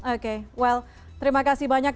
oke well terima kasih banyak